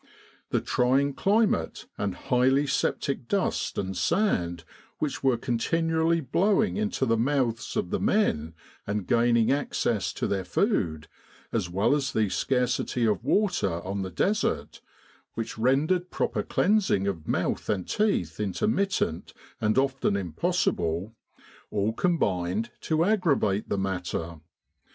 The trying climate and highly septic dust and sand which were continually blowing into the mouths of the men, and gaining access to their food, as well as the scarcity of water on the Desert, which rendered proper cleansing of mouth and teeth intermittent and often impossible, all combined to aggravate the matter.